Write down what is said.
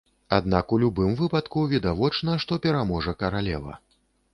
Аднак у любым выпадку відавочна, што пераможа каралева.